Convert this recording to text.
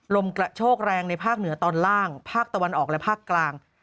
ลมกระโชกแรงในภาคเหนือตอนล่างภาคตะวันออกและภาคกลาง